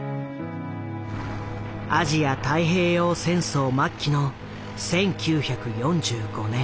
アジア太平洋戦争末期の１９４５年。